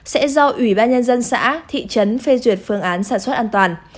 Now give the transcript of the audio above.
sẽ do ủy ban nhân dân xã thị trấn phê duyệt phương án sản xuất an toàn